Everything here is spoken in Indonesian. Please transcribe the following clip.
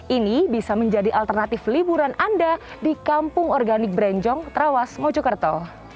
ini bisa menjadi alternatif liburan anda di kampung organik berenjong trawas mojokerto